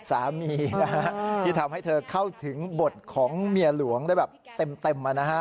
สามีนะฮะที่ทำให้เธอเข้าถึงบทของเมียหลวงได้แบบเต็มมานะฮะ